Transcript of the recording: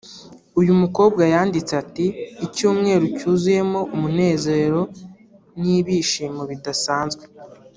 uyu mukobwa yanditse ati “ Icyumweru cyuzuyemo umunezero n’ibishimo bidasanzwe …